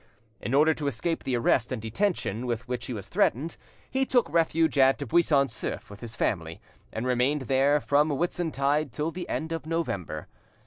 In order to escape the arrest and detention with which he was threatened, he took refuge at Buisson Souef with his family, and remained there from Whitsuntide till the end of November.